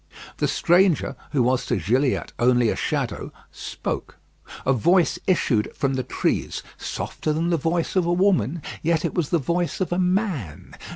The stranger, who was to Gilliatt only a shadow, spoke. A voice issued from the trees, softer than the voice of a woman; yet it was the voice of a man.